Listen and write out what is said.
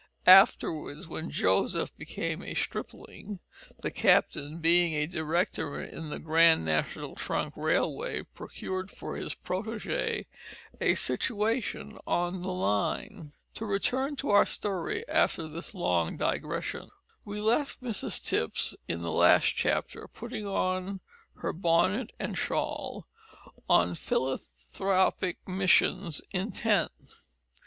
Afterwards, when Joseph became a stripling, the captain, being a director in the Grand National Trunk Railway, procured for his protege a situation on the line. To return to our story after this long digression: We left Mrs Tipps in the last chapter putting on her bonnet and shawl, on philanthropic missions intent.